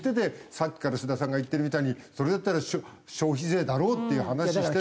さっきから須田さんが言ってるみたいにそれだったら消費税だろうっていう話してるのに。